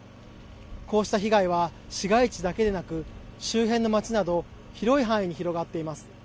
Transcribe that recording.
こうした被害は市街地だけでなく周辺の街など広い範囲に広がっています。